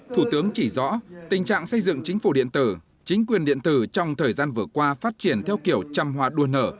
thủ tướng chỉ rõ tình trạng xây dựng chính phủ điện tử chính quyền điện tử trong thời gian vừa qua phát triển theo kiểu trăm hoa đua nở